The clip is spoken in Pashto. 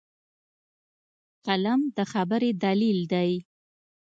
قلم د خبرې دلیل دی